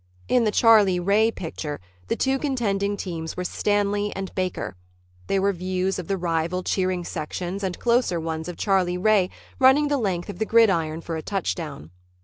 In the Charlie Ray picture, the two contending teams were Stanley and Baker. There were views of the rival cheering sections and closer ones of Charlie Ray running the length of the gridiron for a touchdown.